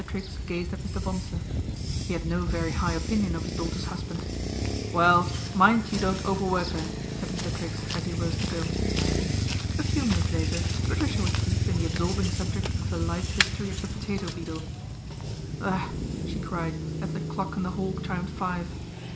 Triggs gazed at Mr. Bonsor. He had no ery high opinion of his daughter's husband. Well, mind you don't overwork 'er," said Mr. riggs as he rose to go. A few minutes later atricia was deep in the absorbing subject of the e history of the potato beetle. Ugh !" she cried as the clock in the hall imed five.